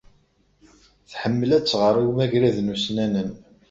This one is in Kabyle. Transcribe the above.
Tḥemmel ad tɣer imagraden ussnanen.